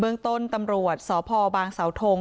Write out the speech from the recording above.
เมืองต้นตำรวจสพบางสาวทง